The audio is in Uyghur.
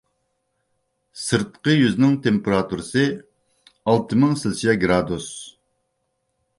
سىرتقى يۈزنىڭ تېمپېراتۇرىسى ئالتە مىڭ سېلسىيە گرادۇس.